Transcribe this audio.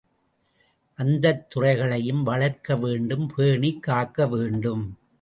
அந்தத் துறைகளையும் வளர்க்க வேண்டும் பேணிக் காக்கவேண்டும்.